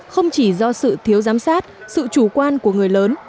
không chỉ do sự thiếu giám sát sự chủ quan của người lớn